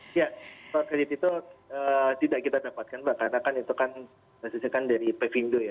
skor kredit itu tidak kita dapatkan mbak karena itu kan berasal dari pevindo